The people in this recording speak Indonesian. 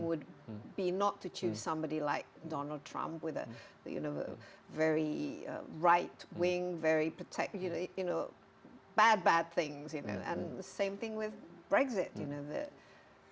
untuk menunjukkan bahwa kami juga bisa bergerak proaktif